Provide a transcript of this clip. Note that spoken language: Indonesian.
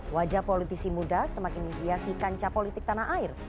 wajah politisi muda semakin menghiasi kancah politik tanah air